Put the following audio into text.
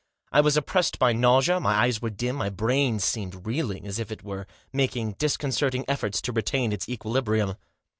I was oppressed by nausea, my eyes were dim, my brain seemed reeling, as if it were making disconcerting efforts to retain its equilibrium.